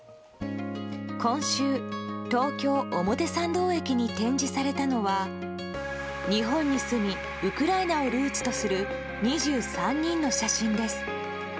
今週、東京・表参道駅に展示されたのは日本に住み、ウクライナをルーツとする２３人の写真です。